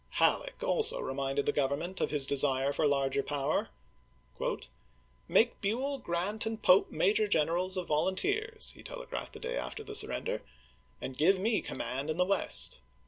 Halleck also re minded the Government of his desire for larger power. " Make Buell, Grant, and Pope major generals of volunteers," he telegraphed the day Mccfeiian, after the surrender, " and give me command in the iwfat^'w.^R. West.